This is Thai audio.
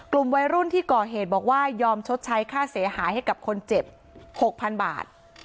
กลุ่มวัยรุ่นที่ก่อเหตุบอกว่ายอมชดใช้ค่าเสียหายให้กับคนเจ็บ๖๐๐๐บาท